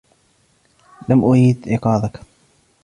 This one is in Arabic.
لم أريد ايقاضك.